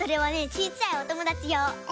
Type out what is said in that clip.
ちいちゃいおともだちよう。